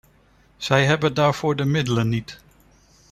Zij hebben daarvoor de middelen niet.